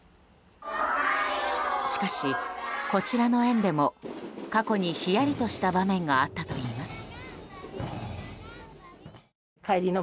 しかし、こちらの園でも過去にひやりとした場面があったといいます。